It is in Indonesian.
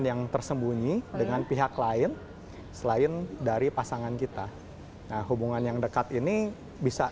yang tersembunyi dengan pihak lain selain dari pasangan kita hubungan yang dekat ini bisa